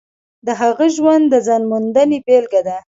د هغه ژوند د ځان موندنې بېلګه ده.